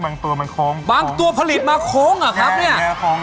บางตัวมันโค้งบางตัวผลิตมาโค้งเหรอครับเนี่ย